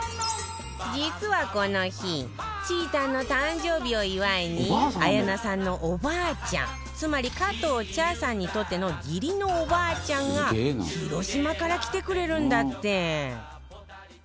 実はこの日ちーたんの誕生日を祝いに綾菜さんのおばあちゃんつまり加藤茶さんにとっての義理のおばあちゃんが広島から来てくれるんだって